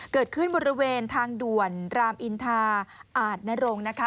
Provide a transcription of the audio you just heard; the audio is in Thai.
เกิดขึ้นบริเวณทางด่วนรามอินทาอาจนรงค์นะคะ